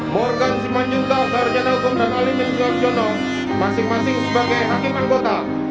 morgan simanjungka karjana ugun dan alin yusuf jono masing masing sebagai hakiman kota